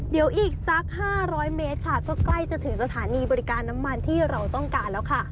เดี๋ยวอีกสัก๕๐๐เมตรค่ะก็ใกล้จะถึงสถานีบริการน้ำมันที่เราต้องการแล้วค่ะ